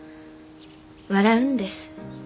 『笑うんです。